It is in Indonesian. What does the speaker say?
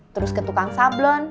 terus ke tukang sablon